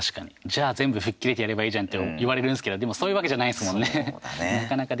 じゃあ、全部吹っ切れてやればいいじゃんって言われるんですけどでも、そういうわけじゃそうだね。